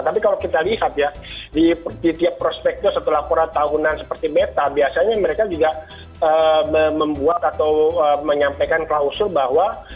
tapi kalau kita lihat ya di tiap prospektur atau laporan tahunan seperti beta biasanya mereka juga membuat atau menyampaikan klausul bahwa